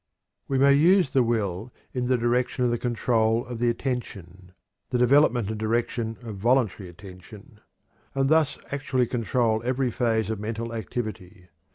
We may use the will in the direction of the control of the attention the development and direction of voluntary attention and thus actually control every phase of mental activity.